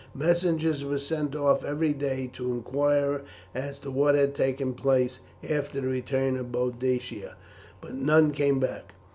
Messengers were sent off every day to inquire as to what had taken place after the return of Boadicea, but none came back.